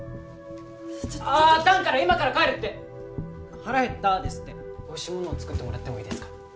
ちょっとあ弾から「今から帰る」って「腹減った」ですっておいしいもの作ってもらってもいいですか？